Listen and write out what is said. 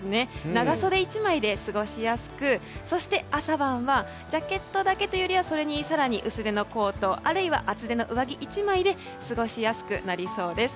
長袖１枚で過ごしやすくそして、朝晩はジャケットだけというよりはそれに更に薄手のコートあるいは厚手の上着１枚で過ごしやすくなりそうです。